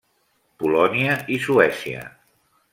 Polònia i Suècia.